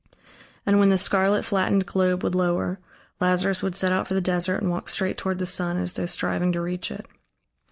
And when the scarlet, flattened globe would lower, Lazarus would set out for the desert and walk straight toward the sun, as though striving to reach it.